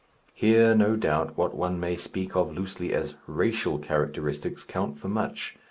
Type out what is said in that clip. Here, no doubt, what one may speak of loosely as "racial" characteristics count for much.